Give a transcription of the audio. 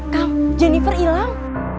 kang jennifer hilang